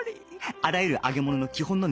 あらゆる揚げ物の基本の二重食感